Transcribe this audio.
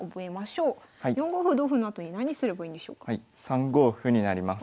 ３五歩になります。